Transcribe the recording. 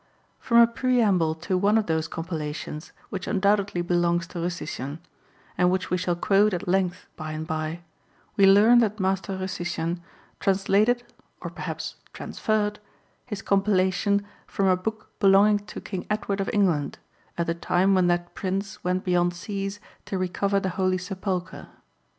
From a preamble to one of those compilations which un doubtedly belongs to Rustician, and which we shall quote at length by and bye, we learn that Master Rustician " translated " (or perhaps transferred f) his compilation from a book belonging to King Edward of England, at the time when that prince went beyond seas to recover the Holy Sepulchre.